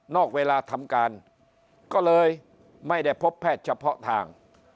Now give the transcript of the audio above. อกเวลาทำการก็เลยไม่ได้พบแพทย์เฉพาะทาง